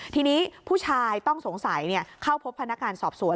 ทีนี้ผู้ชายต้องสงสัยเข้าพบพนักงานสอบสวน